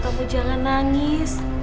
kamu jangan nangis